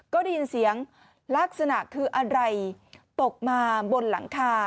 ก็ได้ยินเสียงลักษณะคืออะไรตกมาบนหลังคา